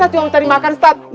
satu orang tadi makan ustadz